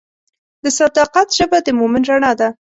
د صداقت ژبه د مؤمن رڼا ده.